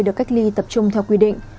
được cách ly tập trung theo quy định